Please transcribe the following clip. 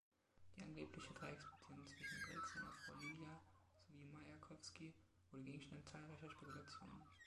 Die angebliche Dreiecksbeziehung zwischen Brik, seiner Frau Lilja sowie Majakowski wurde Gegenstand zahlreicher Spekulationen.